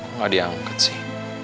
kok gak diangkat sih